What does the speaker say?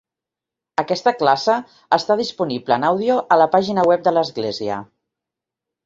Aquesta classe està disponible en àudio a la pàgina web de l'església.